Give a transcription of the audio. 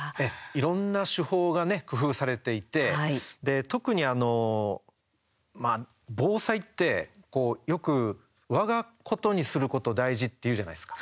いろんな手法がね工夫されていて特に防災ってよく、わがことにすること大事っていうじゃないですか。